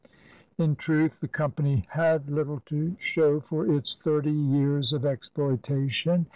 '' In truth, the company had little to show for its thirty years of exploitation.